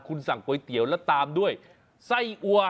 คุณสั่งก๋วยเตี๋ยวแล้วตามด้วยไส้อัว